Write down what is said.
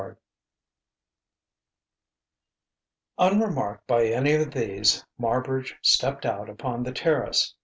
IX Unremarked by any of these, Marbridge stepped out upon the terrace.